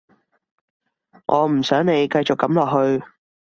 我唔想你繼續噉落去